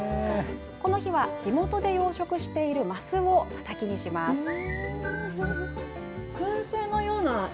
この日は、地元で養殖しているマスをたたきにします。